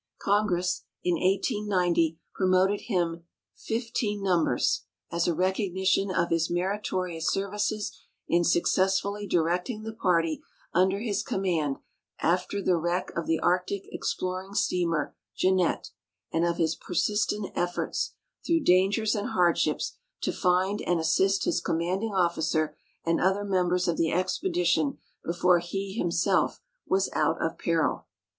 Congress, in 1890, promoted him fifteen numbers "as a recognition of his meritorious services in successfully directing the party under his command after the wreck of the Arctic exploring steamer Jeanneltc, and of his per sistent efforts, through dangers and hardships, to find and assist his commanding officer and other members of the ex})e(lition before he himself was out of peril."